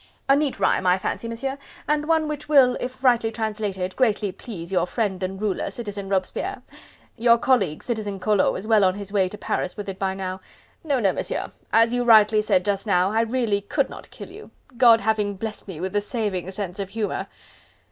"A neat rhyme, I fancy, Monsieur, and one which will, if rightly translated, greatly please your friend and ruler, Citizen Robespierre.... Your colleague Citizen Collot is well on his way to Paris with it by now. ... No, no, Monsieur... as you rightly said just now... I really could not kill you... God having blessed me with the saving sense of humour..."